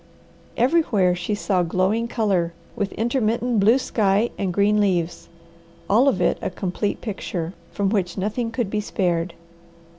Everywhere she saw glowing colour, with intermittent blue sky and green leaves, all of it a complete picture, from which nothing could be spared.